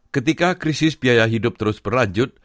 ketika krisis biaya hidup terus berlanjut